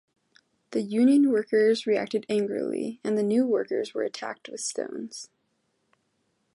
The union workers reacted angrily, and the new workers were attacked with stones.